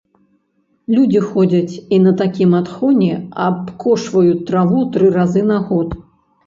Людзі ходзяць і на такім адхоне абкошваюць траву тры разы на год.